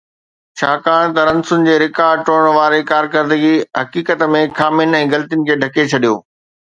ڇاڪاڻ ته رنسن جي رڪارڊ ٽوڙڻ واري ڪارڪردگي حقيقت ۾ خامين ۽ غلطين کي ڍڪي ڇڏيو